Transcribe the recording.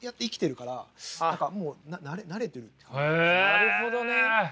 なるほどね。